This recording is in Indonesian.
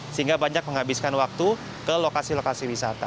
sehingga banyak menghabiskan waktu ke lokasi lokasi wisata